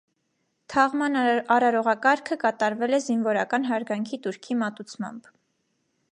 Թաղման արարողակարգը կատարվել է զինվորական հարգանքի տուրքի մատուցմամբ։